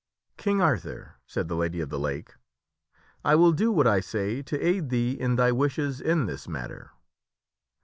" King Arthur," said the Lady of the Lake, " I will do what I say to aid thee in thy wishes in this matter."